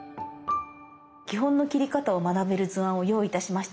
基本の切り方を学べる図案を用意いたしました。